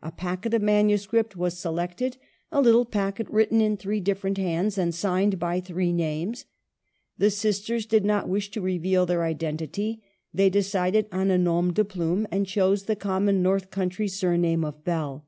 A packet of manuscript was selected, a little packet written in three different hands and signed by three names. The sisters did not wish to reveal their identity ; they decided on a nom de plume, and chose the common north country, surname of Bell.